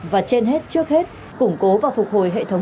và trên hết trước hết củng cố và phục hồi hệ thống